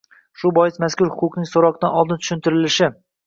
Shu bois, mazkur huquqning so‘roqdan oldin tushuntirilishi